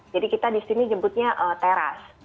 jadi kita di sini nyebutnya teras